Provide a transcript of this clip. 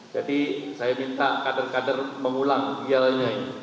jadi saya minta kader kader mengulang gelnya ini